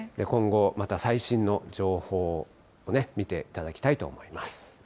今後、また最新の情報をね、見ていただきたいと思います。